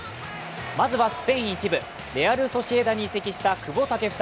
まずはスペイン１部、レアル・ソシエダに移籍した久保建英。